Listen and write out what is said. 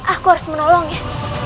aku harus menolongnya